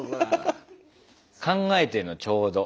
考えてんのちょうど。